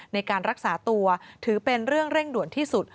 ในการรักษาตัวถือเป็นเรื่องเร่งด่วนที่สุด